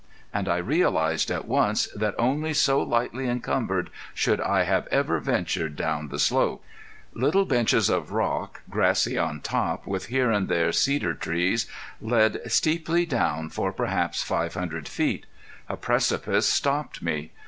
And I realized at once that only so lightly encumbered should I have ever ventured down the slope. Little benches of rock, grassy on top, with here and there cedar trees, led steeply down for perhaps five hundred feet. A precipice stopped me.